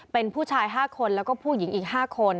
เป็นผู้ชาย๕คนแล้วก็ผู้หญิงอีก๕คน